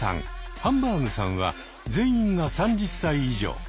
ハンバーグさんは全員が３０歳以上。